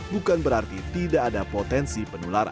bukan berarti tidak ada potensi penularan